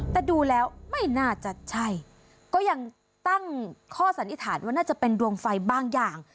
แต่ดูแล้วไม่น่าจะใช่ก็ยังตั้งข้อสันนิษฐานว่าน่าจะเป็นดวงไฟบางอย่าง